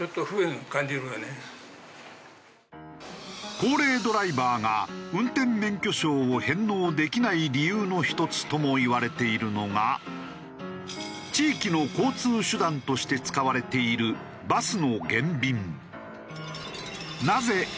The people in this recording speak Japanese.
高齢ドライバーが運転免許証を返納できない理由の１つともいわれているのが地域の交通手段として使われているバスの減便。